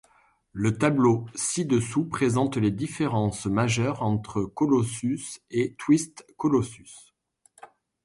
Le tableau ci-dessous présente les différences majeures entre Colossus et Twisted Colossus.